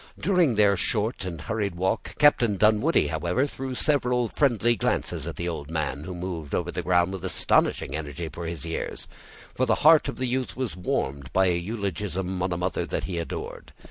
During their short and hurried walk, Captain Dunwoodie, however, threw several friendly glances at the old man, who moved over the ground with astonishing energy for his years, for the heart of the youth was warmed by an eulogium on a mother that he adored.